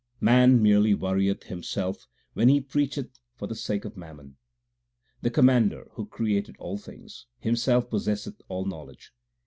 Man merely worrieth himself when he preacheth for the sake of mammon. The Commander, who created all things, Himself possesseth all knowledge.